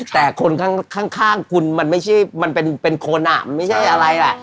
แต่คนข้างคุณมันไม่ใช่มันเป็นคนอ่ะไม่ใช่อะไรอ่ะ